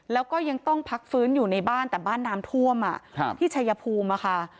แล้วก็ยังต้องพักฟื้นอยู่ในบ้านแต่บ้านน้ำท่วมที่ชัยภูมิค่ะ